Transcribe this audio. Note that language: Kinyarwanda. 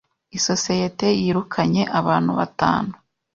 Isosiyete yirukanye abantu batanu.